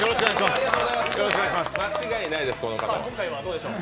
間違いないです、この方は。